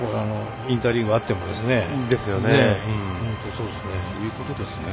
インターリーグあってもですね。